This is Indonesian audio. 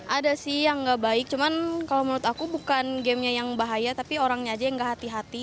ada sih yang gak baik cuman kalau menurut aku bukan gamenya yang bahaya tapi orangnya aja yang gak hati hati